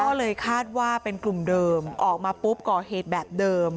ก็เลยคาดว่าเป็นกลุ่มเดิมออกมาปุ๊บก่อเหตุแบบเดิม